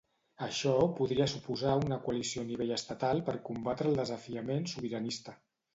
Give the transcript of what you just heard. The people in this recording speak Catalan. Això podria suposar una coalició a nivell estatal per combatre el desafiament sobiranista.